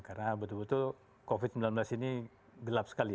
karena betul betul covid sembilan belas ini gelap sekali